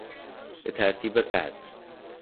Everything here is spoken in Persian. به ترتیب قد